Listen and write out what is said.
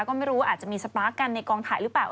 ก็ไม่รู้ว่าอาจจะมีสปาร์คกันในกองถ่ายหรือเปล่า